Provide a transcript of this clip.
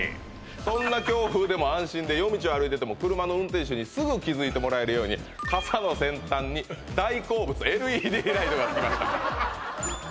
どんな強風でも安心で夜道を歩いてても車の運転手にすぐ気付いてもらえるように傘の先端に大好物ＬＥＤライトが付きました